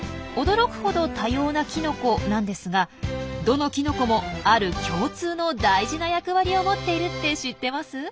驚くほど多様なキノコなんですがどのキノコもある共通の大事な役割を持っているって知ってます？